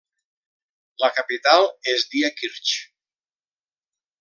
La capital és Diekirch.